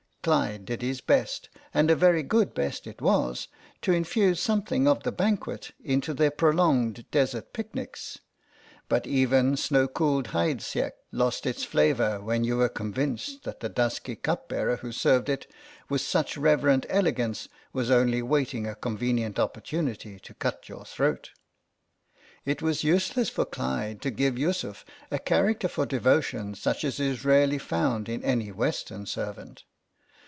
Clyde did his best, and a very good best it was, to infuse something of the banquet into their prolonged desert picnics, but even snow cooled Heidsieck lost its flavour when you were convinced that the dusky cupbearer who served it with such reverent elegance was only waiting a con venient opportunity to cut your throat. It was useless for Clyde to give Yussuf a char acter for devotion such as is rarely found in CROSS CURRENTS 99 any Western servant.